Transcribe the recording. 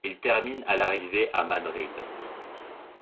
Il termine à l'arrivée à Madrid.